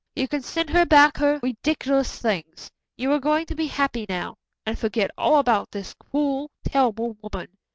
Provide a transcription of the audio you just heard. You can send her back her ridiculous things. You are going to be happy now, and forget all about this cruel, terrible woman."